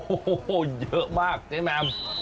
โอ้โหเยอะมากเจ๊แมม